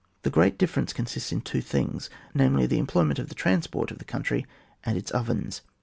The great difference consists in two things, — namely, the employment of the transport of the country, and its ovens.